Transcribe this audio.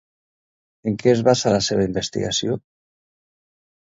En què es basa la seva investigació?